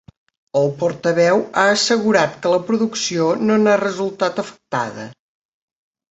El portaveu ha assegurat que la producció no n’ha resultat afectada.